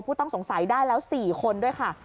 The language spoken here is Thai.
ผู้ต้องสงสัยได้แล้ว๔คนด้วยค่ะ